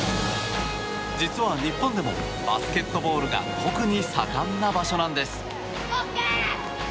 実は日本でもバスケットボールが特に盛んな場所なんです。